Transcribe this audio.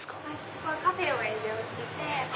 ここはカフェを営業してて。